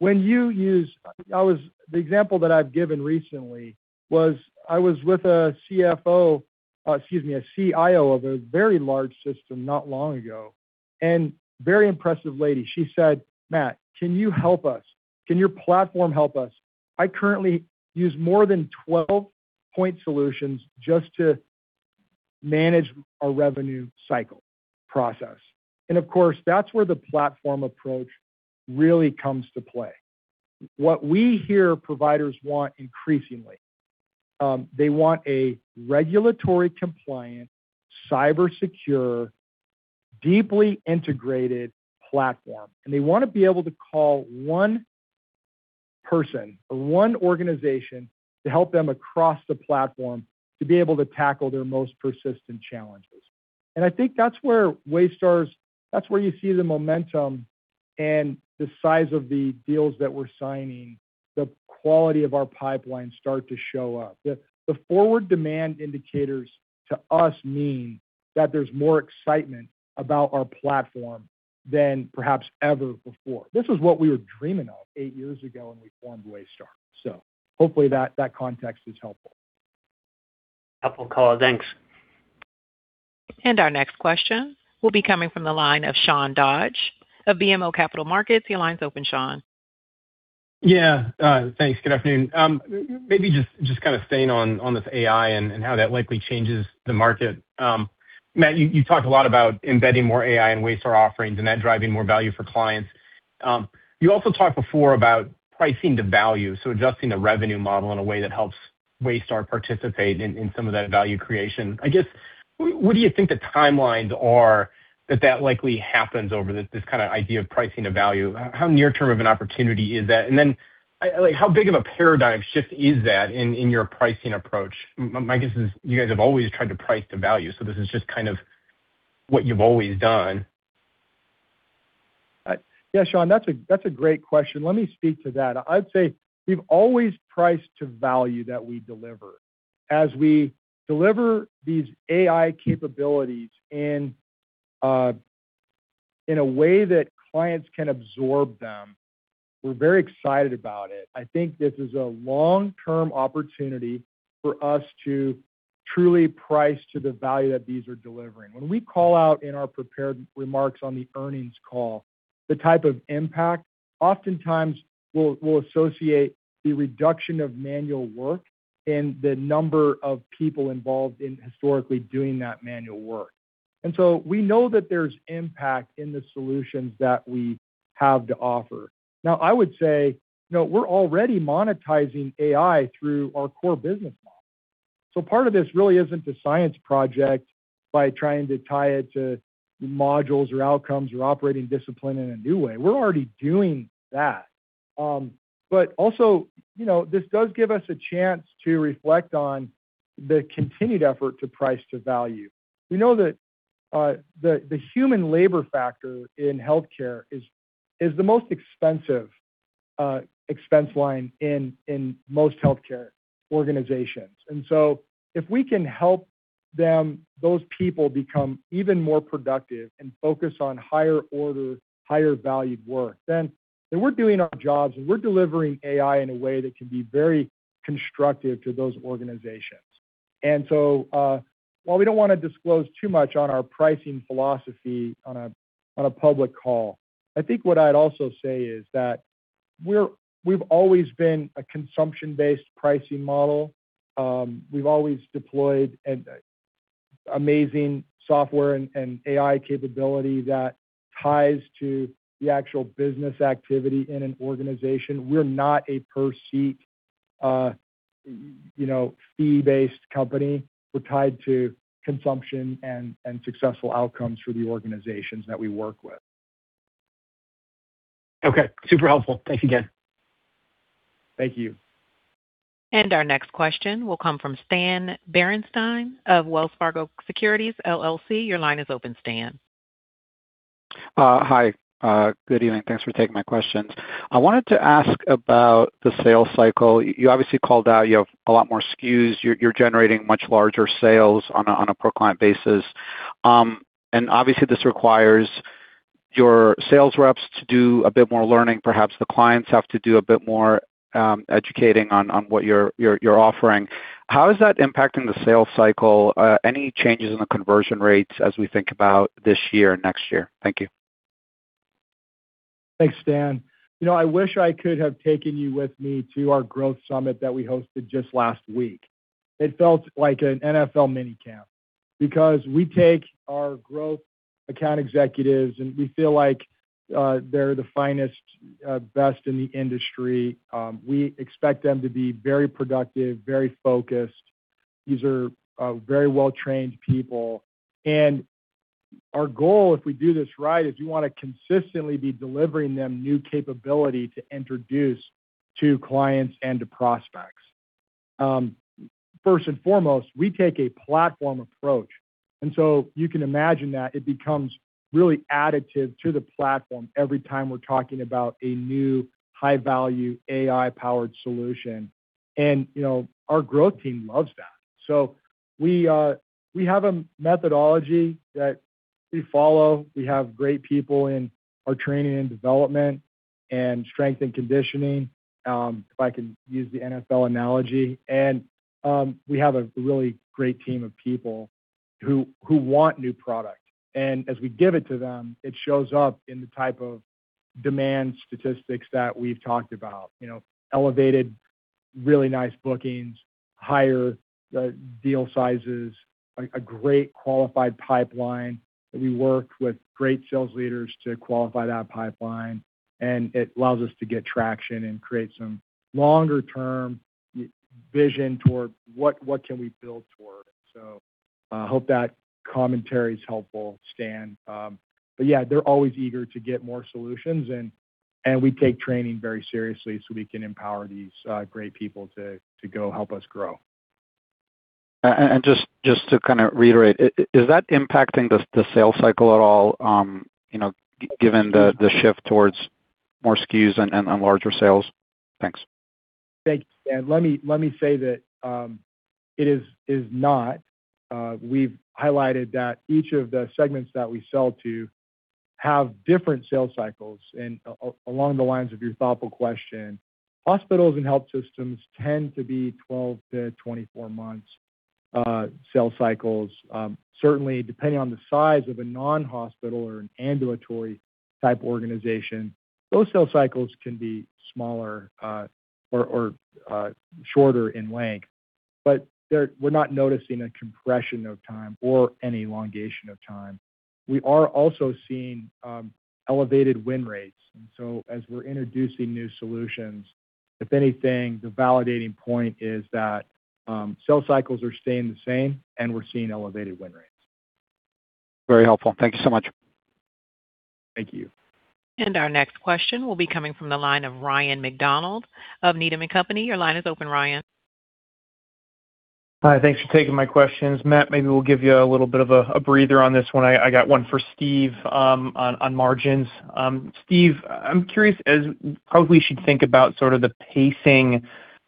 The example that I've given recently was I was with a CFO, excuse me, a CIO of a very large system not long ago, and very impressive lady. She said, "Matt, can you help us? Can your platform help us? I currently use more than 12 point solutions just to manage our revenue cycle process. Of course, that's where the platform approach really comes to play. What we hear providers want increasingly, they wanna be able to call one person or one organization to help them across the platform to be able to tackle their most persistent challenges. I think that's where you see the momentum and the size of the deals that we're signing, the quality of our pipeline start to show up. The forward demand indicators to us mean that there's more excitement about our platform than perhaps ever before. This is what we were dreaming of eight years ago when we formed Waystar. Hopefully that context is helpful. Helpful color. Thanks. Our next question will be coming from the line of Sean Dodge of BMO Capital Markets. Your line is open, Sean. Yeah. Thanks. Good afternoon. Maybe just kind of staying on this AI and how that likely changes the market. Matt, you talked a lot about embedding more AI in Waystar offerings and that driving more value for clients. You also talked before about pricing to value, so adjusting the revenue model in a way that helps Waystar participate in some of that value creation. I guess, what do you think the timelines are that likely happens over this kind of idea of pricing to value? How near-term of an opportunity is that? Like how big of a paradigm shift is that in your pricing approach? My guess is you guys have always tried to price to value, so this is just kind of what you've always done. Yeah, Sean, that's a great question. Let me speak to that. I'd say we've always priced to value that we deliver. As we deliver these AI capabilities in a way that clients can absorb them, we're very excited about it. I think this is a long-term opportunity for us to truly price to the value that these are delivering. When we call out in our prepared remarks on the earnings call, the type of impact oftentimes will associate the reduction of manual work and the number of people involved in historically doing that manual work. We know that there's impact in the solutions that we have to offer. Now, I would say, you know, we're already monetizing AI through our core business model. Part of this really isn't a science project by trying to tie it to modules or outcomes or operating discipline in a new way. We're already doing that. You know, this does give us a chance to reflect on the continued effort to price, to value. We know that the human labor factor in healthcare is the most expensive expense line in most healthcare organizations. If we can help them, those people become even more productive and focus on higher order, higher valued work, then we're doing our jobs, and we're delivering AI in a way that can be very constructive to those organizations. While we don't wanna disclose too much on our pricing philosophy on a, on a public call, I think what I'd also say is that we've always been a consumption-based pricing model. We've always deployed an amazing software and AI capability that ties to the actual business activity in an organization. We're not a per-seat, you know, fee-based company. We're tied to consumption and successful outcomes for the organizations that we work with. Okay. Super helpful. Thanks again. Thank you. Our next question will come from Stan Berenshteyn of Wells Fargo Securities LLC. Your line is open, Stan. Hi. Good evening. Thanks for taking my questions. I wanted to ask about the sales cycle. You obviously called out you have a lot more SKUs. You're generating much larger sales on a per-client basis. And obviously this requires your sales reps to do a bit more learning. Perhaps the clients have to do a bit more educating on what you're offering. How is that impacting the sales cycle? Any changes in the conversion rates as we think about this year and next year? Thank you. Thanks, Stan. You know, I wish I could have taken you with me to our growth summit that we hosted just last week. It felt like an NFL mini camp because we take our growth account executives, and we feel like they're the finest, best in the industry. We expect them to be very productive, very focused. These are very well-trained people. Our goal, if we do this right, is we wanna consistently be delivering them new capability to introduce to clients and to prospects. First and foremost, we take a platform approach, and so you can imagine that it becomes really additive to the platform every time we're talking about a new high-value AI-powered solution. You know, our growth team loves that. We have a methodology that we follow. We have great people in our training and development and strength and conditioning, if I can use the NFL analogy. We have a really great team of people who want new product. As we give it to them, it shows up in the type of demand statistics that we've talked about. You know, elevated really nice bookings, higher deal sizes, a great qualified pipeline. We work with great sales leaders to qualify that pipeline, and it allows us to get traction and create some longer-term vision toward what can we build toward. Hope that commentary is helpful, Stan. Yeah, they're always eager to get more solutions and we take training very seriously so we can empower these great people to go help us grow. Just to kinda reiterate, is that impacting the sales cycle at all, you know, given the shift towards more SKUs and larger sales? Thanks. Thanks. Let me, let me say that, it is not. We've highlighted that each of the segments that we sell to have different sales cycles. Along the lines of your thoughtful question, hospitals and health systems tend to be 12-24 months, sales cycles. Certainly depending on the size of a non-hospital or an ambulatory type organization, those sales cycles can be smaller, or shorter in length. But we're not noticing a compression of time or any elongation of time. We are also seeing, elevated win rates. So as we're introducing new solutions, if anything, the validating point is that, sales cycles are staying the same, and we're seeing elevated win rates. Very helpful. Thank you so much. Thank you. Our next question will be coming from the line of Ryan MacDonald of Needham and Company. Your line is open, Ryan. Hi. Thanks for taking my questions. Matt, maybe we'll give you a little bit of a breather on this one. I got one for Steve on margins. Steve, I'm curious, as how we should think about sort of the pacing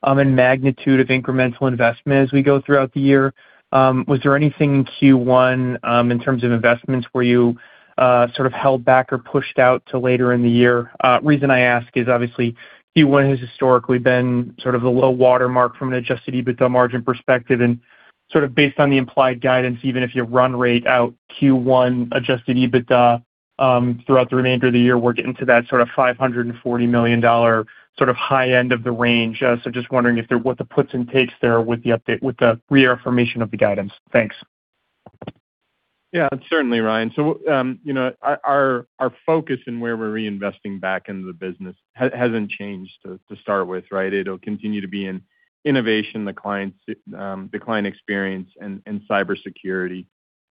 and magnitude of incremental investment as we go throughout the year. Was there anything in Q1 in terms of investments where you sort of held back or pushed out to later in the year? Reason I ask is obviously Q1 has historically been sort of the low watermark from an adjusted EBITDA margin perspective and Sort of based on the implied guidance, even if you run rate out Q1 adjusted EBITDA throughout the remainder of the year, we're getting to that sort of $540 million sort of high end of the range. Just wondering if there what the puts and takes there with the reaffirmation of the guidance. Thanks. Yeah, certainly, Ryan. You know, our, our focus and where we're reinvesting back into the business hasn't changed to start with, right? It'll continue to be in innovation, the clients, the client experience and cybersecurity.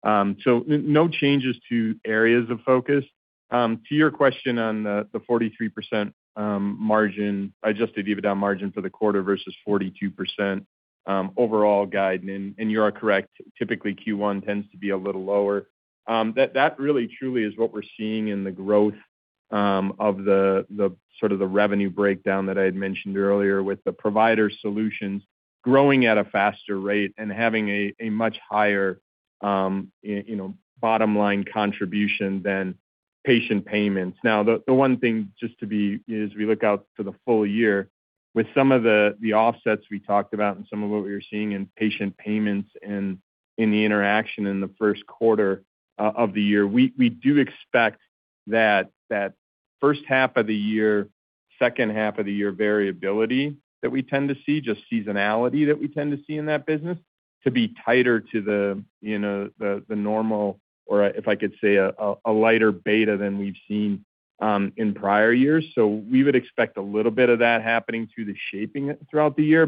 No changes to areas of focus. To your question on the 43% margin, adjusted EBITDA margin for the quarter versus 42% overall guide. You are correct, typically Q1 tends to be a little lower. That really truly is what we're seeing in the growth of the sort of the revenue breakdown that I had mentioned earlier with the provider solutions growing at a faster rate and having a much higher, you know, bottom line contribution than patient payments. Now, the one thing, as we look out to the full year, with some of the offsets we talked about and some of what we're seeing in patient payments and in the interaction in the first quarter of the year, we do expect that that first half of the year, second half of the year variability that we tend to see, just seasonality that we tend to see in that business to be tighter to the, you know, the normal or if I could say a lighter beta than we've seen in prior years. We would expect a little bit of that happening to the shaping throughout the year.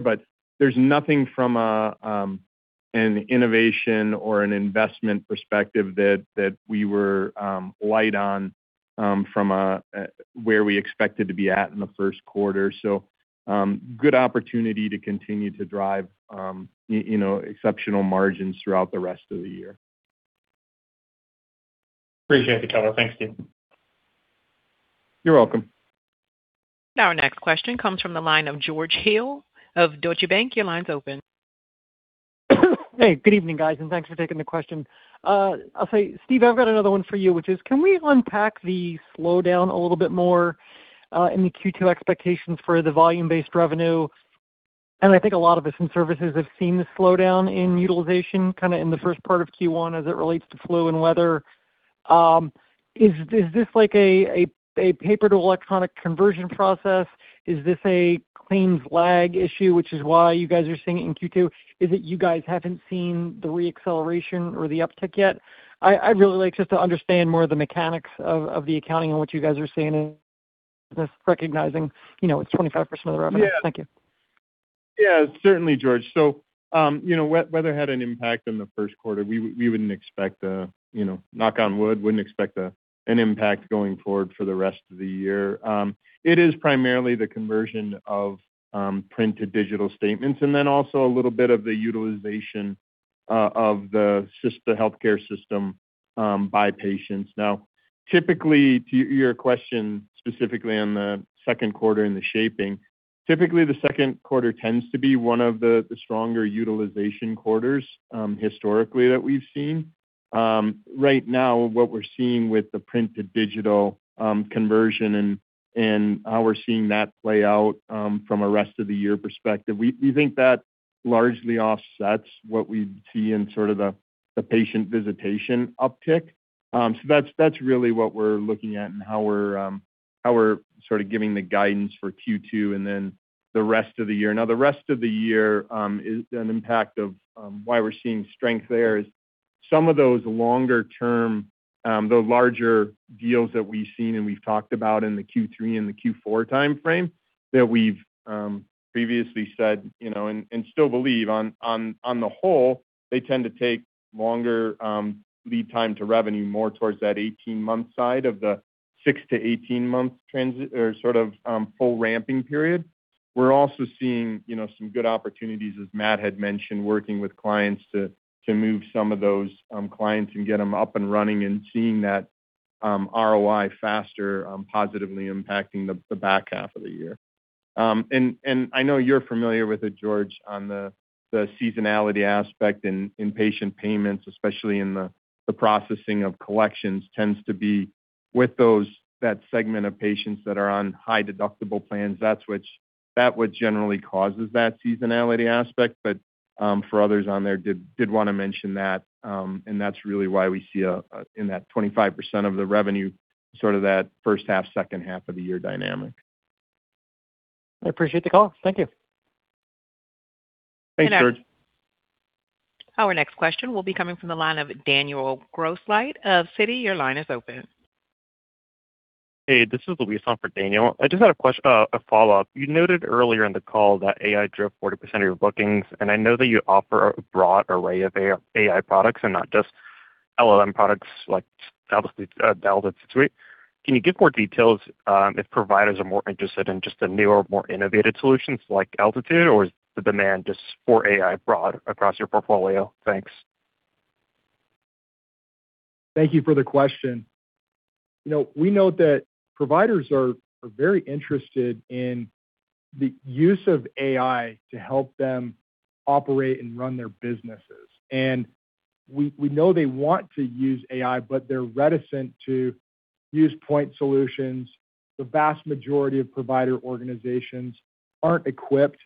There's nothing from an innovation or an investment perspective that we were light on from where we expected to be at in the first quarter. Good opportunity to continue to drive, you know, exceptional margins throughout the rest of the year. Appreciate the color. Thanks, Steve. You're welcome. Now, our next question comes from the line of George Hill of Deutsche Bank. Your line's open. Good evening, guys, thanks for taking the question. I'll say, Steve, I've got another one for you, which is, can we unpack the slowdown a little bit more in the Q2 expectations for the volume-based revenue? I think a lot of us in services have seen the slowdown in utilization kind of in the first part of Q1 as it relates to flu and weather. Is this like a paper to electronic conversion process? Is this a claims lag issue, which is why you guys are seeing it in Q2? Is it you guys haven't seen the re-acceleration or the uptick yet? I'd really like just to understand more of the mechanics of the accounting and what you guys are seeing in this, recognizing, you know, it's 25% of the revenue. Yeah. Thank you. Certainly, George. You know, weather had an impact in the first quarter. We wouldn't expect an impact going forward for the rest of the year. It is primarily the conversion of print to digital statements, and then also a little bit of the utilization of the healthcare system by patients. Now, typically, to your question specifically on the second quarter and the shaping. Typically, the second quarter tends to be one of the stronger utilization quarters historically that we've seen. Right now, what we're seeing with the print to digital conversion and how we're seeing that play out from a rest of the year perspective, we think that largely offsets what we see in sort of the patient visitation uptick. That's really what we're looking at and how we're how we're sort of giving the guidance for Q2 and then the rest of the year. The rest of the year is an impact of why we're seeing strength there is some of those longer term the larger deals that we've seen and we've talked about in the Q3 and the Q4 timeframe that we've previously said, you know, and still believe on the whole, they tend to take longer lead time to revenue more towards that 18-month side of the 6-18 month transit or sort of full ramping period. We're also seeing, you know, some good opportunities, as Matt had mentioned, working with clients to move some of those clients and get them up and running and seeing that ROI faster, positively impacting the back half of the year. I know you're familiar with it, George, on the seasonality aspect in patient payments, especially in the processing of collections, tends to be with that segment of patients that are on high deductible plans. That's what generally causes that seasonality aspect. For others on there, did wanna mention that's really why we see in that 25% of the revenue, sort of that first half, second half of the year dynamic. I appreciate the call. Thank you. Thanks, George. Our next question will be coming from the line of Daniel Grosslight of Citi. Your line is open. Hey, this is Luis on for Daniel. I just had a follow-up. You noted earlier in the call that AI drove 40% of your bookings, and I know that you offer a broad array of AI products and not just LLM products like, obviously, Altitude AI. Can you give more details, if providers are more interested in just the newer, more innovative solutions like Altitude, or is the demand just for AI broad across your portfolio? Thanks. Thank you for the question. You know, we know that providers are very interested in the use of AI to help them operate and run their businesses. We know they want to use AI, but they're reticent to use point solutions. The vast majority of provider organizations aren't equipped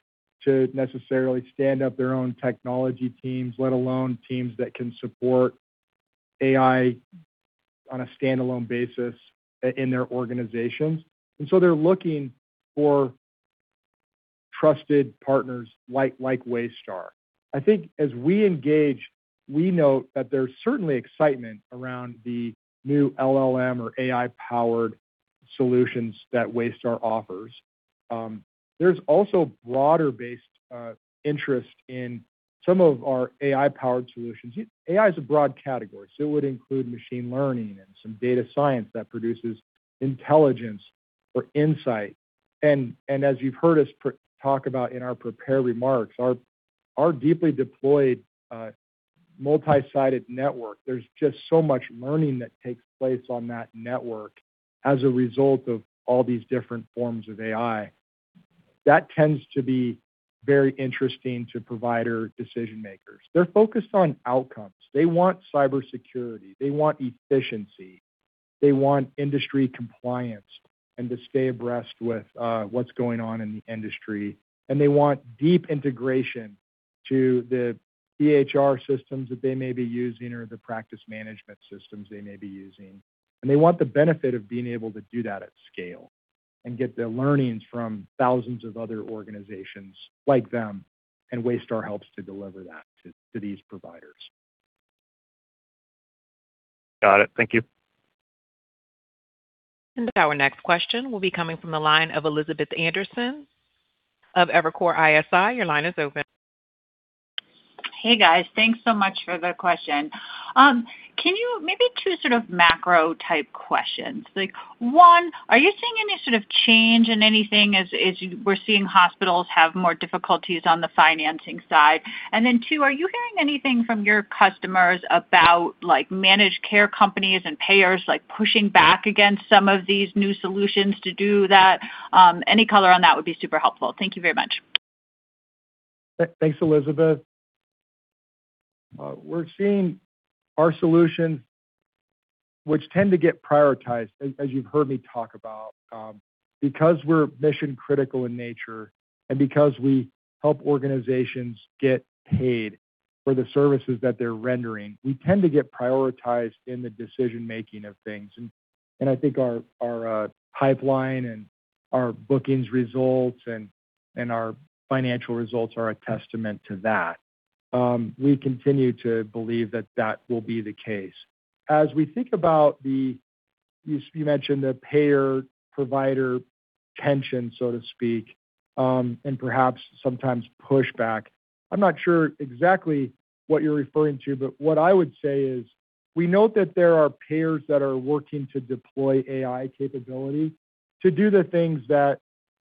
to necessarily stand up their own technology teams, let alone teams that can support AI on a standalone basis in their organizations. They're looking for trusted partners like Waystar. I think as we engage, we note that there's certainly excitement around the new LLM or AI-powered solutions that Waystar offers. There's also broader-based interest in some of our AI-powered solutions. AI is a broad category, so it would include machine learning and some data science that produces intelligence or insight. As you've heard us talk about in our prepared remarks, our deeply deployed multi-sided network, there's just so much learning that takes place on that network as a result of all these different forms of AI. That tends to be very interesting to provider decision-makers. They're focused on outcomes. They want cybersecurity. They want efficiency. They want industry compliance and to stay abreast with what's going on in the industry. They want deep integration to the EHR systems that they may be using or the practice management systems they may be using. They want the benefit of being able to do that at scale and get the learnings from thousands of other organizations like them, and Waystar helps to deliver that to these providers. Got it. Thank you. Our next question will be coming from the line of Elizabeth Anderson of Evercore ISI. Your line is open. Hey, guys. Thanks so much for the question. Maybe two sort of macro-type questions. Like, one, are you seeing any sort of change in anything as we're seeing hospitals have more difficulties on the financing side? Then two, are you hearing anything from your customers about, like, managed care companies and payers, like, pushing back against some of these new solutions to do that? Any color on that would be super helpful. Thank you very much. Thanks, Elizabeth. We're seeing our solutions, which tend to get prioritized, as you've heard me talk about, because we're mission-critical in nature and because we help organizations get paid for the services that they're rendering, we tend to get prioritized in the decision-making of things. I think our pipeline and our bookings results and our financial results are a testament to that. We continue to believe that that will be the case. As we think about the, you mentioned the payer-provider tension, so to speak, and perhaps sometimes pushback. I'm not sure exactly what you're referring to, but what I would say is, we note that there are payers that are working to deploy AI capability to do the things that,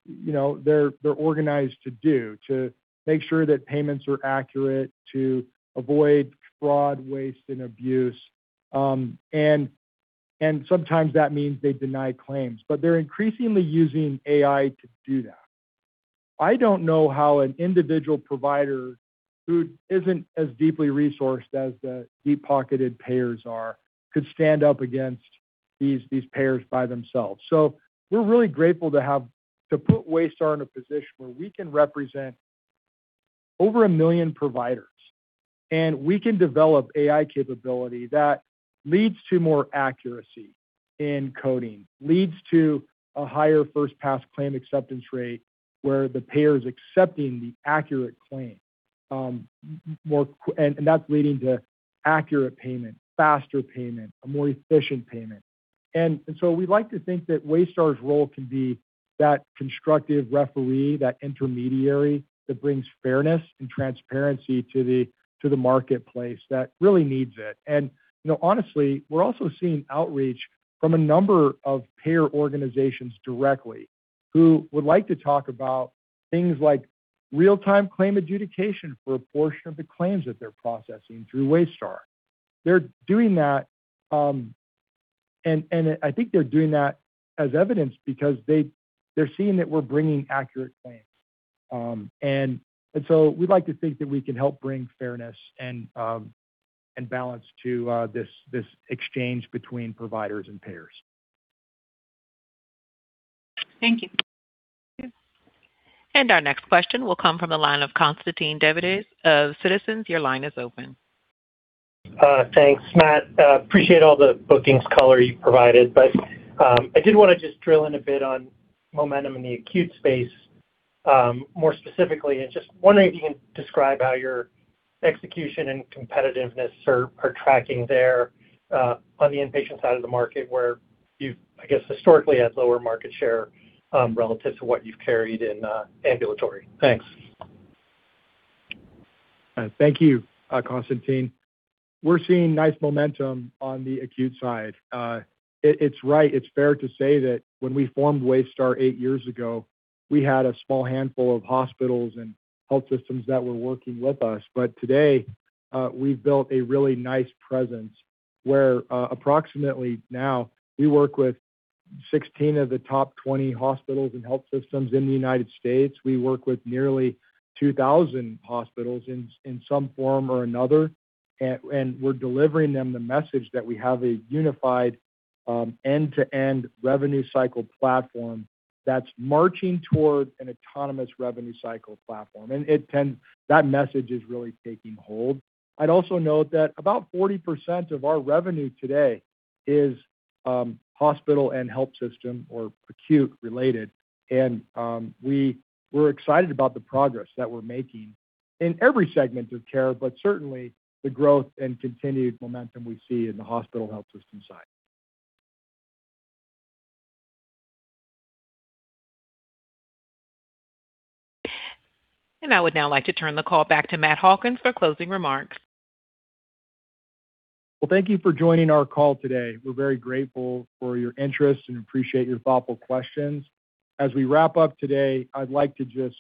you know, they're organized to do, to make sure that payments are accurate, to avoid fraud, waste, and abuse. Sometimes that means they deny claims. They're increasingly using AI to do that. I don't know how an individual provider who isn't as deeply resourced as the deep-pocketed payers are could stand up against these payers by themselves. We're really grateful to have to put Waystar in a position where we can represent over 1 million providers, and we can develop AI capability that leads to more accuracy in coding, leads to a higher first-pass claim acceptance rate where the payer is accepting the accurate claim, and that's leading to accurate payment, faster payment, a more efficient payment. We like to think that Waystar's role can be that constructive referee, that intermediary that brings fairness and transparency to the marketplace that really needs it. You know, honestly, we're also seeing outreach from a number of payer organizations directly who would like to talk about things like real-time claim adjudication for a portion of the claims that they're processing through Waystar. They're doing that, and I think they're doing that as evidence because they're seeing that we're bringing accurate claims. We'd like to think that we can help bring fairness and balance to this exchange between providers and payers. Thank you. Our next question will come from the line of Constantine Davides of Citizens JMP Securities. Your line is open. Thanks, Matt. Appreciate all the bookings color you provided. I did wanna just drill in a bit on momentum in the acute space, more specifically. Just wondering if you can describe how your execution and competitiveness are tracking there, on the inpatient side of the market where you've, I guess, historically had lower market share, relative to what you've carried in, ambulatory. Thanks. Thank you, Constantine. We're seeing nice momentum on the acute side. It's right. It's fair to say that when we formed Waystar eight years ago, we had a small handful of hospitals and health systems that were working with us. Today, we've built a really nice presence where, approximately now we work with 16 of the top 20 hospitals and health systems in the U.S. We work with nearly 2,000 hospitals in some form or another. We're delivering them the message that we have a unified, end-to-end revenue cycle platform that's marching toward an autonomous revenue cycle platform. It can. That message is really taking hold. I'd also note that about 40% of our revenue today is hospital and health system or acute related. We're excited about the progress that we're making in every segment of care, but certainly the growth and continued momentum we see in the hospital health system side. I would now like to turn the call back to Matt Hawkins for closing remarks. Well, thank you for joining our call today. We're very grateful for your interest and appreciate your thoughtful questions. As we wrap up today, I'd like to just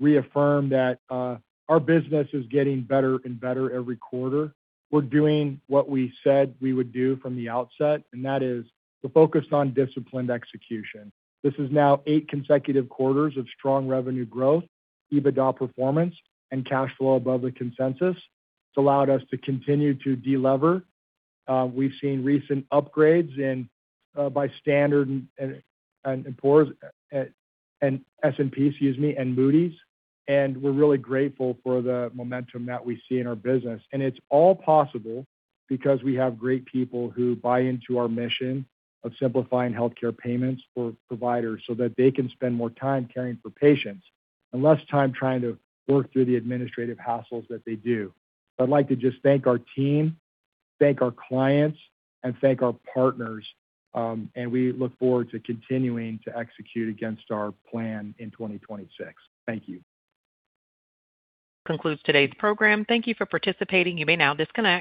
reaffirm that our business is getting better and better every quarter. We're doing what we said we would do from the outset, and that is we're focused on disciplined execution. This is now eight consecutive quarters of strong revenue growth, EBITDA performance, and cash flow above the consensus. It's allowed us to continue to de-lever. We've seen recent upgrades in by Standard & Poor's and S&P, excuse me, and Moody's. We're really grateful for the momentum that we see in our business. It's all possible because we have great people who buy into our mission of simplifying healthcare payments for providers so that they can spend more time caring for patients and less time trying to work through the administrative hassles that they do. I'd like to just thank our team, thank our clients, and thank our partners, and we look forward to continuing to execute against our plan in 2026. Thank you. Concludes today's program. Thank you for participating. You may now disconnect.